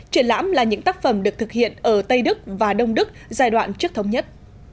triển lãm là những tác phẩm được thực hiện ở tây đức và đông đức giai đoạn trước thống nhất